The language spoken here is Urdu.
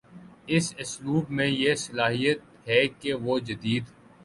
اس اسلوب میں یہ صلاحیت ہے کہ وہ جدید